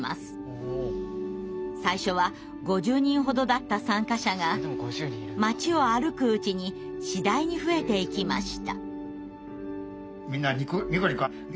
最初は５０人ほどだった参加者が街を歩くうちに次第に増えていきました。